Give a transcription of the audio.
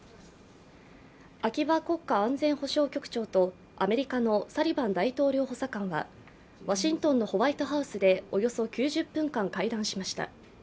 秋葉国家安全保障局長とアメリカのサリバン大統領補佐官はワシントンのホワイトハウスでおよそ９０分間、会談しました。